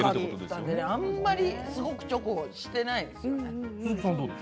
あんまりすごくチョコはしてないですね。